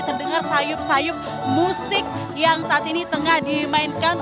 terdengar sayup sayup musik yang saat ini tengah dimainkan